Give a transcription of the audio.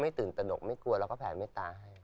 ตื่นตนกไม่กลัวเราก็แผ่เมตตาให้